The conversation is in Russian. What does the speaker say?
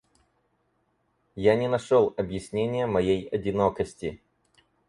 Я не нашёл объяснения моей одинокости.